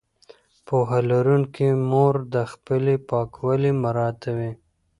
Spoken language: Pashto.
پوهه لرونکې مور د پخلي پاکوالی مراعتوي.